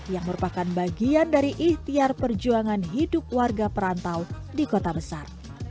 yang merupakan bagian dari ikhtiar perjuangan hidup warga perantau di kota besar